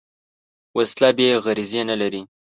وسله بېغرضي نه لري